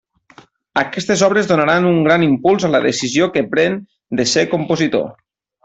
Aquestes obres donaran un gran impuls a la decisió que pren de ser compositor.